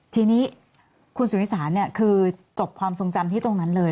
ทีนี้คุณสูอิสรารเนี่ยคือจบความสงจำที่ตรงนั้นเลย